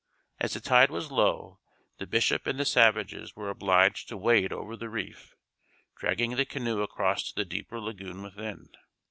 As the tide was low, the Bishop and the savages were obliged to wade over the reef, dragging the canoe across to the deeper lagoon within.